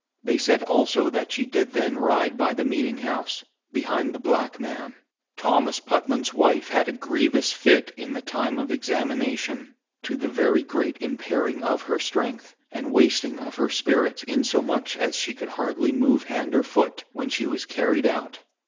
They said also, that she did then ride by the Meeting House, behind the Black Man. Thomas Putman's Wife had a grievous Fit in the time of Examination, to the very great impairing of her strength, and wasting of her spirits, insomuch as she could hardly move hand or foot when she was carried out.